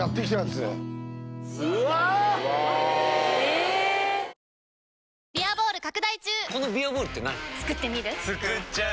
つくっちゃう？